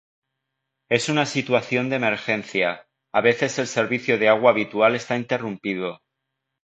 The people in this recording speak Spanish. En una situación de emergencia, a veces el servicio de agua habitual está interrumpido